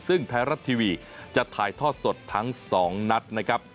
ซึ่งไทยรัฐทีวีจะถ่ายทอดสดทั้ง๒นัดนะครับ